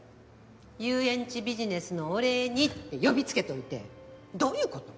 遊園地ビジネスのお礼にって呼びつけておいてどういうこと！？